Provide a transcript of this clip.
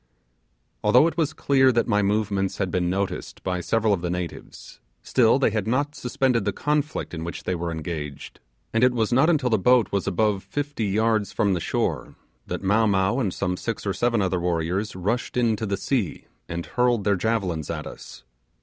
Although it was clear that my movements had been noticed by several of the natives, still they had not suspended the conflict in which they were engaged, and it was not until the boat was above fifty yards from the shore that Mow Mow and some six or seven other warriors rushed into the sea and hurled their javelins at us.